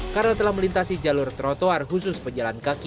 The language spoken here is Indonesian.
karena telah melintasi jalur trotoar khusus pejalan kaki